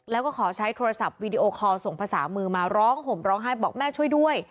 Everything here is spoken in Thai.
แล้วก็ขอใช้โทรศัพท์วีดีโอคอลส่งภาษามือมาร้องห่มร้องไห้บอกแม่ช่วยด้วย